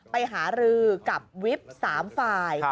ไปหารือกับวิบ๓ฝ่าย